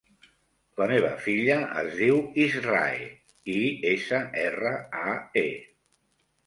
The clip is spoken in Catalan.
La meva filla es diu Israe: i, essa, erra, a, e.